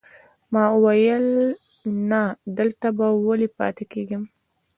ما ویل نه، دلته به ولې پاتې کېږم.